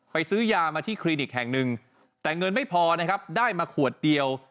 ซื้อยามาที่คลินิกแห่งหนึ่งแต่เงินไม่พอนะครับได้มาขวดเดียว